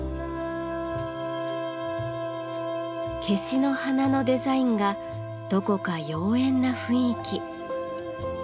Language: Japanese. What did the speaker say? けしの花のデザインがどこか妖艶な雰囲気。